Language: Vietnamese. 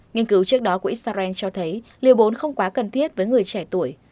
nghiên cứu trước đó của israel cho thấy liều bốn không quá cần thiết với người trẻ tuổi